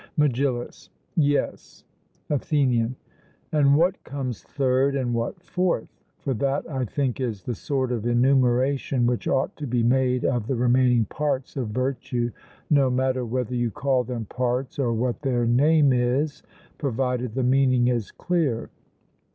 MEGILLUS: Yes. ATHENIAN: And what comes third, and what fourth? For that, I think, is the sort of enumeration which ought to be made of the remaining parts of virtue, no matter whether you call them parts or what their name is, provided the meaning is clear.